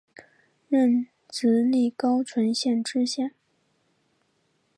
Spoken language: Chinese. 任直隶高淳县知县。